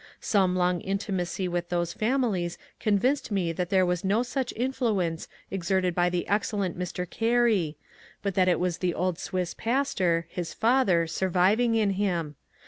Some long intimacy with those families convinced me that there was no such influence exerted by the excellent Mr. Gary, but that it was the old Swiss pastor, his father, surviving in him.